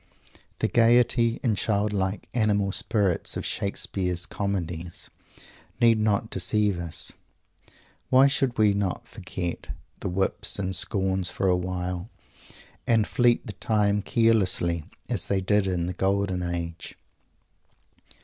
The gaiety and childlike animal spirits of Shakespeare's Comedies need not deceive us. Why should we not forget the whips and scorns for a while, and fleet the time carelessly, "as they did in the golden age?"